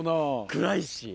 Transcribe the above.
暗いし。